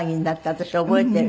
私覚えてる。